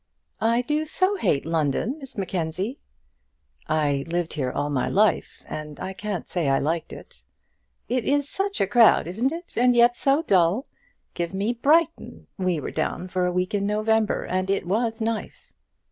"I do so hate London, Miss Mackenzie." "I lived here all my life, and I can't say I liked it." "It is such a crowd, isn't it? and yet so dull. Give me Brighton! We were down for a week in November, and it was nice."